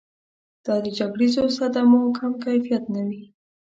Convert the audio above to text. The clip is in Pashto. دا د جګړیزو صدمو کم کیفیت نه وي.